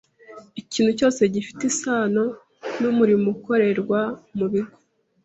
Ikintu cyose gifitanye isano n’umurimo ukorerwa mu bigo